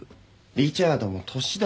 リチャードも年だ。